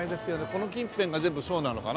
この近辺が全部そうなのかな？